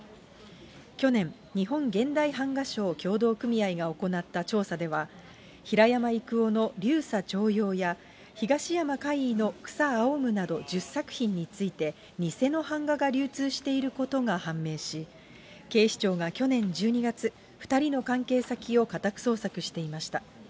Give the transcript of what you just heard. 去年、日本現代版画匠協同組合が行った調査では、平山郁夫の流沙朝陽や東山魁夷の草青むなどの１０作品の偽の版画が流通していることが判明し、警視庁が去年１２月、２人の関係先を家宅捜索していました。